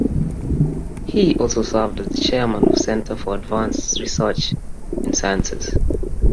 He also served as the chairman of Center for Advanced Research in Sciences.